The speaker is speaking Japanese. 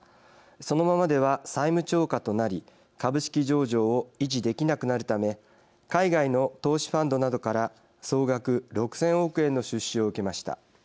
そのままでは、債務超過となり株式上場を維持できなくなるため海外の投資ファンドなどから総額６０００億円の出資を受けました。